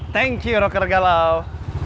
terima kasih rokar galau